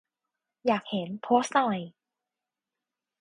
อยากเห็น โพสต์หน่อย